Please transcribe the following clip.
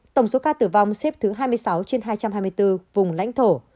tổng số ca tử vong xếp thứ hai mươi sáu trên hai trăm hai mươi bốn vùng lãnh thổ